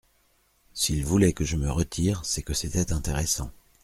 S’il voulait que je me retire, C’est que c’était intéressant !